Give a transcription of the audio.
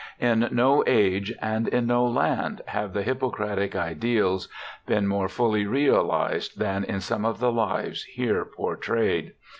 In no age and in no land have the Hippo cratic ideals been more fuU}^ realized than in some of the lives here portrayed.